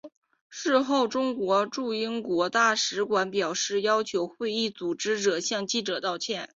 事后中国驻英国大使馆表示要求会议组织者向记者道歉。